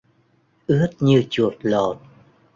Ướt như chuột lột